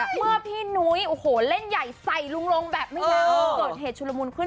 เมื่อพี่นุ้ยเล่นใหญ่ใสลงแบบไม่ยาวเกิดเหตุชุลมูลขึ้น